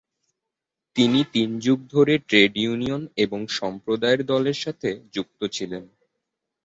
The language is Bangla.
তিনি তিন যুগ ধরে ট্রেড ইউনিয়ন এবং সম্প্রদায়ের দলের সাথে যুক্ত ছিলেন।